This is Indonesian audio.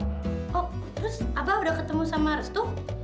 oh terus abah udah ketemu sama restu